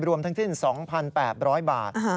รวมทั้งสิ้น๒๘๐๐บาท